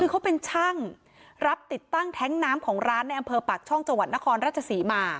คือเขาเป็นช่างรับติดตั้งแทนกน้ำของร้านในอำเพลิงปากช่องจนคราชศีมา